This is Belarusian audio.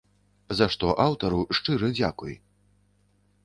За што аўтару шчыры дзякуй!